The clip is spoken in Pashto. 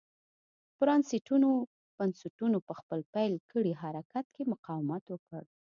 پرانېستو بنسټونو په خپل پیل کړي حرکت کې مقاومت وکړ.